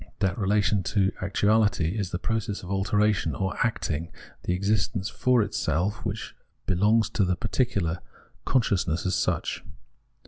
That relation to actuahty is the process of alteration, or acting, the existence for itself, which belongs The Unhappy Consciousness 211 to tlie particular consciousness as such.